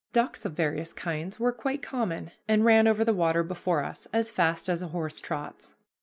Ducks of various kinds were quite common, and ran over the water before us as fast as a horse trots.